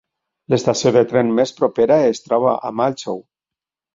L'estació de tren més propera es troba a Malchow.